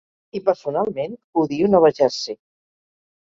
I personalment odio Nova Jersey.